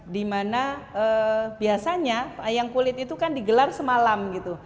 dimana biasanya wayang kulit itu kan digelar semalam gitu